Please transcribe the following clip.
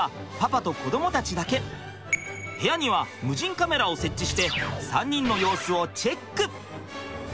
部屋には無人カメラを設置して３人の様子をチェック！